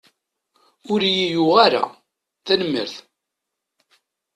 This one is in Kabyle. Ur iyi-yuɣ ara, tanemmirt.